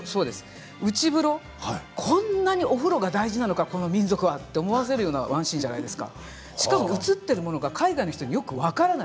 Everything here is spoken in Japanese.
なぜかというと、内風呂こんなにお風呂が大事なのかこの民族はと思わせるような話じゃないですか。